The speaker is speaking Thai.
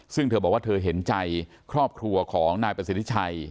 ซึ่งเธอบอกว่าเธอเห็นใจครอบครัวของนายประสิทธิชัย